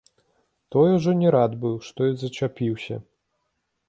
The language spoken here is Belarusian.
Той ужо не рад быў, што і зачапіўся.